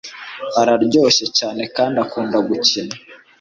araryoshye cyane kandi akunda gukina